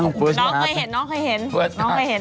นอกเคยเห็นนอกเคยเห็น